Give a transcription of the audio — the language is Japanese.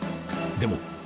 でも。